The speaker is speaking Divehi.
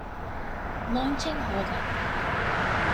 ލޯންޗެއް ހޯދަން